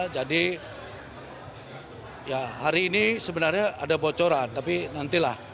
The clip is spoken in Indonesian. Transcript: jadi hari ini sebenarnya ada bocoran tapi nantilah